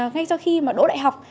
ngay sau khi mà đổ đại học